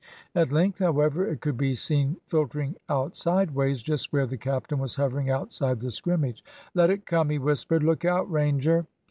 At length, however, it could be seen filtering out sideways, just where the captain was hovering outside the scrimmage. "Let it come!" he whispered. "Look out, Ranger!"